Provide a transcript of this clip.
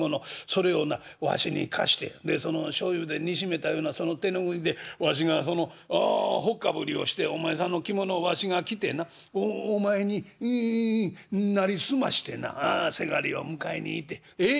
それをなわしに貸してそのしょうゆで煮しめたようなその手拭いでわしがそのほっかぶりをしてお前さんの着物をわしが着てなお前にいい成り済ましてなせがれを迎えに行てええ？